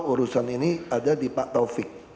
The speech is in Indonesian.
urusan ini ada di pak taufik